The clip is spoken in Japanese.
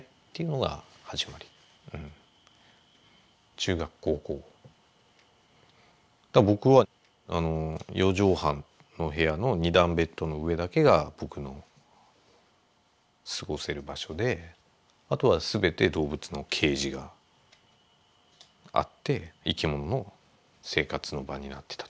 中学高校僕は四畳半の部屋の二段ベッドの上だけが僕の過ごせる場所であとは全て動物のケージがあって生き物の生活の場になってたと。